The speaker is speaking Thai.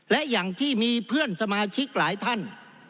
และอย่างที่มีเพื่อนสมาชิกหลายท่าน